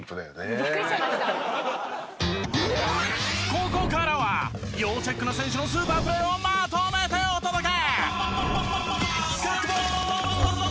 ここからは要チェックな選手のスーパープレーをまとめてお届け！